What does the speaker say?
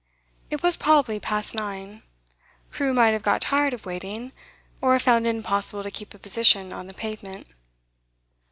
It was probably past nine; Crewe might have got tired of waiting, or have found it impossible to keep a position on the pavement.